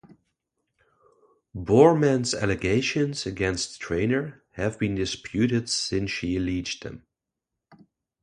Boreman's allegations against Traynor have been disputed since she alleged them.